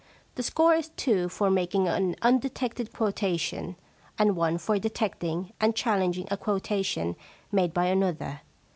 * The score is two for making an undetected quotation, and one for detecting and chal lenging a quotation made by another.